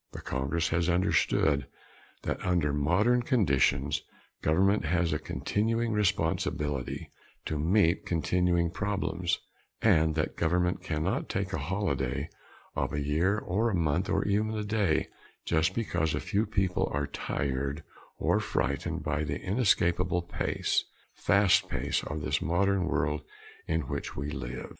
The Congress has understood that under modern conditions government has a continuing responsibility to meet continuing problems, and that government cannot take a holiday of a year, or a month, or even a day just because a few people are tired or frightened by the inescapable pace, fast pace, of this modern world in which we live.